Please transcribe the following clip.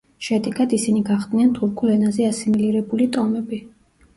შედეგად ისინი გახდნენ თურქულ ენაზე ასიმილირებული ტომები.